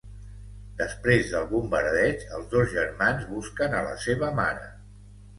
Després del bombardeig els dos germans busquen a la seva mare.